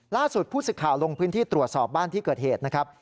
ล่าสุดผู้สิทธิ์ข่าวลงพื้นที่ตรวจสอบบ้านที่เกิดเหตุนะครับ